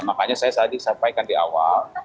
makanya saya tadi sampaikan di awal